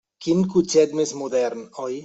Quin cotxet més modern, oi?